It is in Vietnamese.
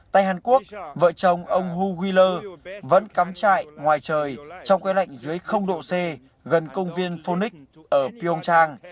tại hàn quốc vợ chồng ông huwiler vẫn cắm chạy ngoài trời trong que lạnh dưới độ c gần công viên phonics ở pyeongchang